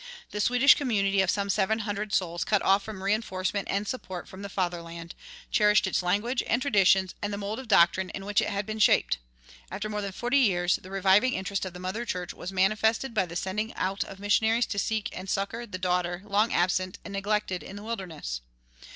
The Swedish community of some seven hundred souls, cut off from reinforcement and support from the fatherland, cherished its language and traditions and the mold of doctrine in which it had been shaped; after more than forty years the reviving interest of the mother church was manifested by the sending out of missionaries to seek and succor the daughter long absent and neglected in the wilderness.